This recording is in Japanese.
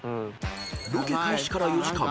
［ロケ開始から４時間。